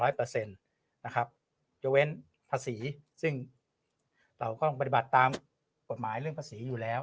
จะเว้นภาษีซึ่งเราก็ต้องปฏิบัติตามกฎหมายเรื่องภาษีอยู่แล้ว